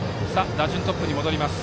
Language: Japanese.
打順がトップに戻ります。